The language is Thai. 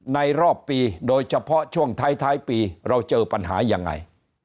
รอบปีโดยเฉพาะช่วงท้ายปีเราเจอปัญหายังไง